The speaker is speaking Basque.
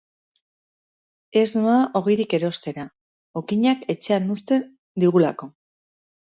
Ez noa ogirik erostera, okinak etxean uzten digulako.